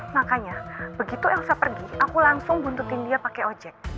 makanya begitu elsa pergi aku langsung buntutin dia pakai ojek